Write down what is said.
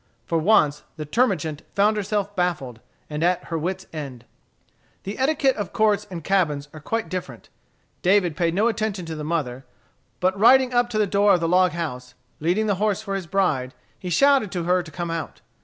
For once the termagant found herself baffled, and at her wits' end. The etiquette of courts and cabins are quite different. David paid no attention to the mother, but riding up to the door of the log house, leading the horse for his bride, he shouted to her to come out.